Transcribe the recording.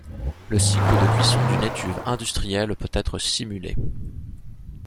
Le cycle de cuisson d'une étuve industrielle peut être simulé.